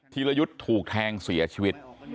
ธรยุทธ์ถูกแทงเสียชีวิต